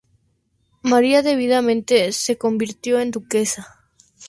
María debidamente se convirtió en duquesa.